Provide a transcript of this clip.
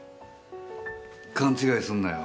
勘違いすんなよ。